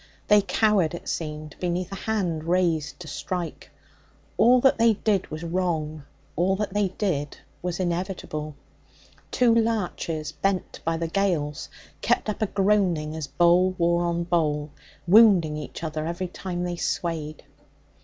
They cowered, it seemed, beneath a hand raised to strike. All that they did was wrong; all that they did was inevitable. Two larches bent by the gales kept up a groaning as bole wore on bole, wounding each other every time they swayed.